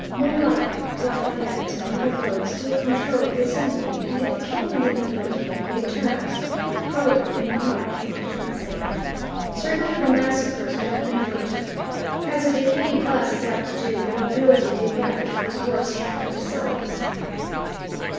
Men like Lafayette and Mirabeau still controlled the Assembly, and if the King and the Nobility had made terms, probably the monarchy might have been saved, certainly the massacres would have been averted. As a decaying class is apt to do, the Nobility did that which was worst for themselves.